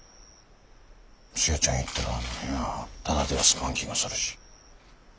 ツヤちゃん行ったら何やただでは済まん気がするし。